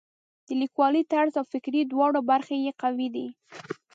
د لیکوالۍ طرز او فکري دواړه برخې یې قوي دي.